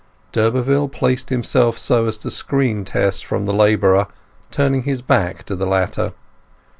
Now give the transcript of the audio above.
D'Urberville placed himself so as to screen Tess from the labourer, turning his back to the latter.